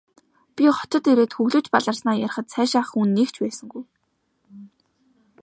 Би хотод ирээд хөглөж баларснаа ярихад сайшаах хүн нэг ч байсангүй.